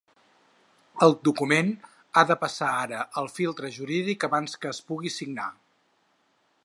El document ha de passar ara el filtre jurídic abans que es puga signar.